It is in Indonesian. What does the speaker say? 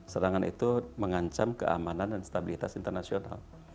serangan itu mengancam keamanan dan stabilitas internasional